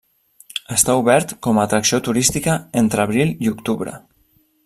Està obert com a atracció turística entre abril i octubre.